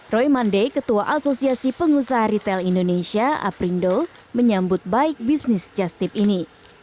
roy mande ketua asosiasi pengusaha retail indonesia aprindo menyambut baik bisnis jastip ini